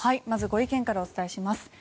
まずご意見からお伝えします。